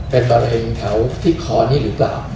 เป็นมะเร็งแถวที่คอนี้หรือเปล่า